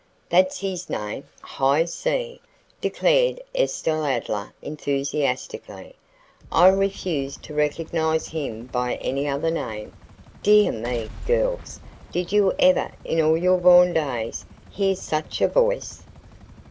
"That's his name High C," declared Estelle Adler enthusiastically. "I refuse to recognize him by any other name. Dear me, girls, did you ever in all your born days hear such a voice?"